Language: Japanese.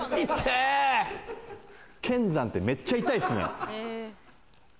剣山ってめっちゃ痛いですね。